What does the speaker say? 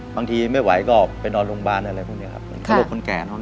บางทีไม่ไหวก็ไปนอนโรงพยาบาลอะไรพวกเงี้ยครับ